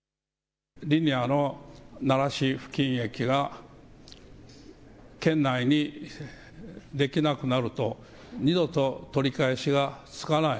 リニアの奈良市付近駅が県内にできなくなると二度と取り返しがつかない。